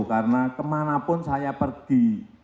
karena kemanapun saya pergi